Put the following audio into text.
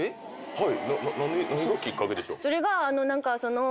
はい。